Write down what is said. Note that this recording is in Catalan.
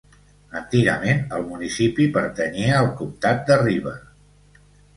Antigament el municipi pertanyia al comtat de Ribe.